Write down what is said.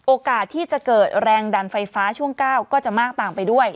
โอกาสที่จะเกิดแรงดันไฟฟ้าช่วง๙ก็จะมากตามไปด้วย